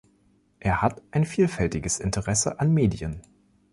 Er hat ein vielfältiges Interesse an Medien.